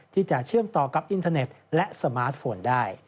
ที่จะเชื่อมต่อกับอินเทอร์เน็ตและสมาร์ทโฟนได้